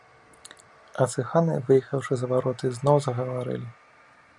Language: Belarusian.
А цыганы, выехаўшы за вароты, зноў загаварылі.